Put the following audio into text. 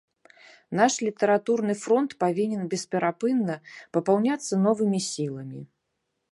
Наш літаратурны фронт павінен бесперапынна папаўняцца новымі сіламі.